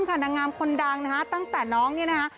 นางงามคนดังนะฮะตั้งแต่น้องเนี่ยนะคะ